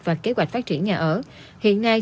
và kế hoạch phát triển nhà ở hiện nay